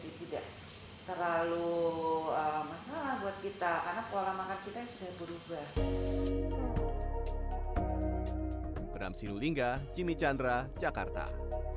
tidak terlalu masalah buat kita karena pola makan kita sudah berubah